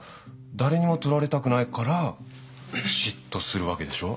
誰にも取られたくないから嫉妬するわけでしょ？